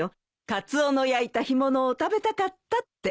「カツオの焼いた干物を食べたかった」って。